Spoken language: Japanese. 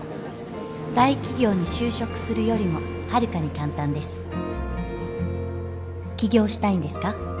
大企業に就職するよりもはるかに簡単です起業したいんですか？